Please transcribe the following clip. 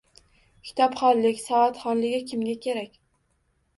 Kitobxonlik savodxonligi kimga kerak?